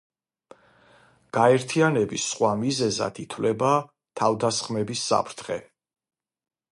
გაერთიანების სხვა მიზეზად ითვლება თავდასხმების საფრთხე.